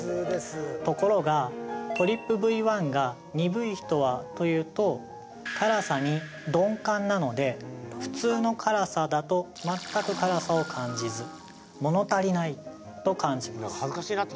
ところがＴＲＰＶ１が鈍い人はというと辛さに鈍感なので普通の辛さだと全く辛さを感じず物足りないと感じます